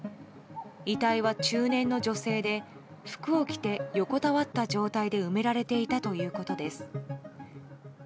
遺体は中年の女性で服を着て横たわった状態で埋められていたということです。